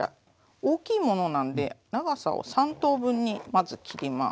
大きいものなんで長さを３等分にまず切ります。